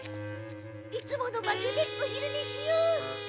いつもの場所でおひるねしよう！